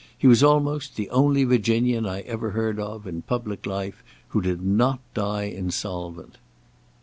He was almost the only Virginian I ever heard of, in public life, who did not die insolvent."